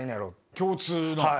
共通の。